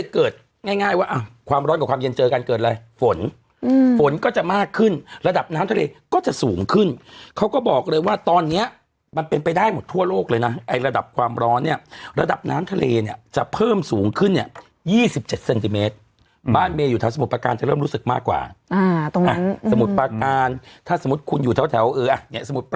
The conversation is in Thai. เกิดง่ายว่าอ่ะความร้อนกับความเย็นเจอกันเกิดอะไรฝนฝนก็จะมากขึ้นระดับน้ำทะเลก็จะสูงขึ้นเขาก็บอกเลยว่าตอนเนี้ยมันเป็นไปได้หมดทั่วโลกเลยนะไอ้ระดับความร้อนเนี่ยระดับน้ำทะเลเนี่ยจะเพิ่มสูงขึ้นเนี่ย๒๗เซนติเมตรบ้านเมย์อยู่แถวสมุทรประการจะเริ่มรู้สึกมากกว่าสมุทรประการถ้าสมมุติคุณอยู่แถวเอออ่ะเนี่ยสมุ